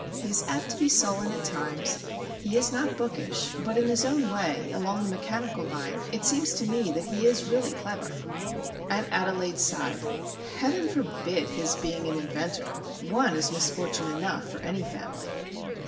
He is apt to be sullen at times; he is not bookish; but in his own way, along the mechanical line, it seems to me that he is really clever." Aunt Adelaide sighed. "Heaven forbid his being an inventor! One is misfortune enough for any family."